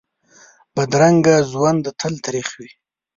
بدرنګه ژوند تل تریخ وي